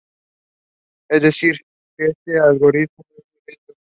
Es decir, que este algoritmo es muy lento.